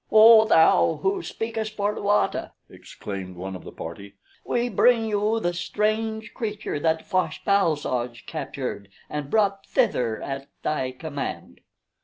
"O Thou Who Speakest for Luata!" exclaimed one of the party. "We bring you the strange creature that Fosh bal soj captured and brought thither at thy command."